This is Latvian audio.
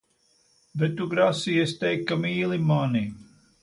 Bet tu grasījies teikt, ka mīIi mani!